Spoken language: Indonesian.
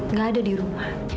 nggak ada di rumah